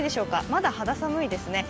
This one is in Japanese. まだ肌寒いですね。